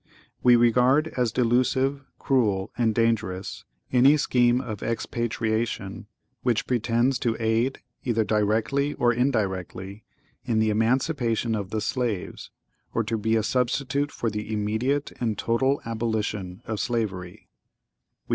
(¶ 29) We regard, as delusive, cruel, and dangerous, any scheme of expatriation which pretends to aid, either directly or indirectly, in the emancipation of the slaves, or to be a substitute for the immediate and total abolition of slavery.